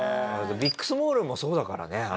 ビックスモールンもそうだからね。